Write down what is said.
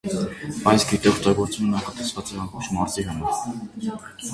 Այս գետի օգտագործումը նախատեսված է ամբողջ մարզի համար։